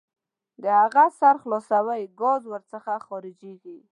د هغه سر خلاصوئ ګاز ور څخه خارجیږي.